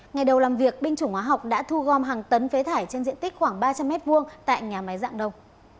ngày đầu làm việc binh chủng hóa học đã thu gom hàng tấn phế thải trên diện tích khoảng ba trăm linh m hai tại nhà máy dạng đông